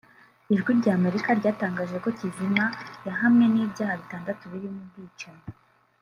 Ijwi rya Amerika ryatangaje ko Kizima yahamwe n’ibyaha bitandatu birimo ubwicanyi